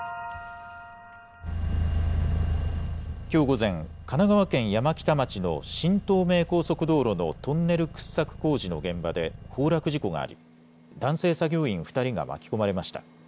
きょう午前、神奈川県山北町の新東名高速道路のトンネル掘削工事の現場で崩落事故があり、男性作業員２人が巻き込まれました。